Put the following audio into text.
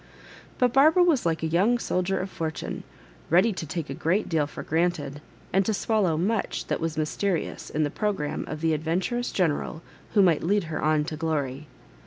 But Barbara was like a young sol dier of fortune^ ready to take a great de^ for granted, and to swallow much that was myste rious in the programme of the adventurous gene ral who might lead her on to glory.